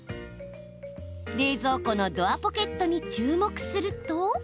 冷蔵庫のドアポケットに注目すると。